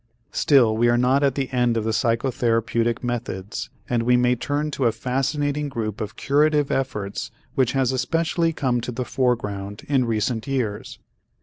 Still we are not at the end of the psychotherapeutic methods and we may turn to a fascinating group of curative efforts which has especially come to the foreground in recent years.